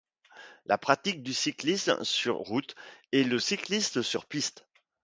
Il pratique le cyclisme sur route et le cyclisme sur piste.